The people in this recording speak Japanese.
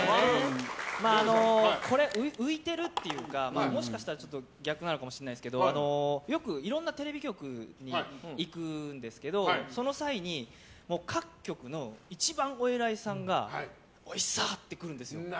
これは浮いてるっていうかもしかしたら逆なのかもしれないですけどよくいろんなテレビ局に行くんですけどその際に各局の一番お偉いさんがＩＳＳＡ！って来るんです。